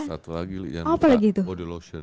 satu lagi yang dua body lotion